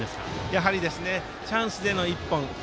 やはりチャンスでの１本。